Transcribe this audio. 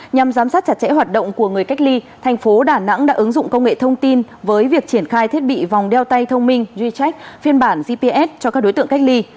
nhằm giám sát chặt chẽ hoạt động của người cách ly thành phố đà nẵng đã ứng dụng công nghệ thông tin với việc triển khai thiết bị vòng đeo tay thông minh ghi chép phiên bản gps cho các đối tượng cách ly